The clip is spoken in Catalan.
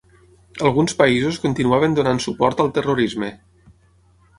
Alguns països continuaven donant suport al terrorisme.